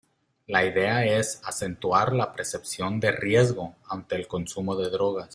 La idea es acentuar la percepción de riesgo ante el consumo de drogas.